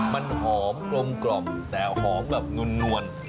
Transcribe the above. มันหอมกลมแต่หอมแบบนวล